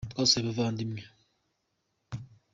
Twasuye abavandimwe